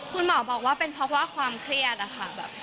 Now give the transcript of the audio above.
คุณหมอบอกว่าเป็นเพราะว่าความเครียดอะค่ะ